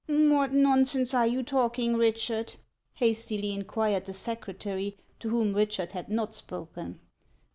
" What nonsense are you talking, Ptichard ?" hastily inquired the secretary to whom Richard had not spoken.